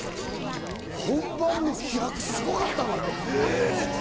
本番の気迫すごかったのよ。